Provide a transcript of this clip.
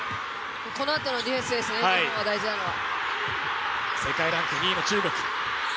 このあとのディフェンスですね、日本が大事なのは。